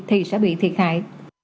thì sẽ bị thiệt hại